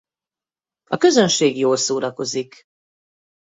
A közönség jól szórakozik.